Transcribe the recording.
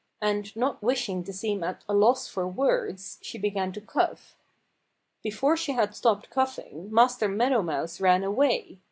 And not wishing to seem at a loss for words, she began to cough. Before she had stopped coughing Master Meadow Mouse ran away.